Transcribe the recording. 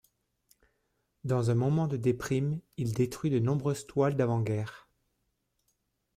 Dans un moment de déprime, il détruit de nombreuses toiles d’avant guerre.